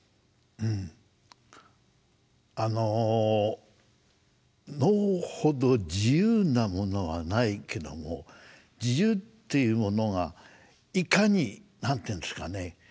うんあの能ほど自由なものはないけども自由っていうものがいかに何て言うんですかね